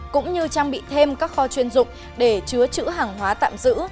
cũng như trang bị thêm các kho chuyên dụng để chứa chữ hàng hóa tạm giữ